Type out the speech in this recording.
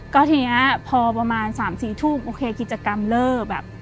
ก็ทีนี้พอประมาณ๓๔ทุกกิจกรรมเลิก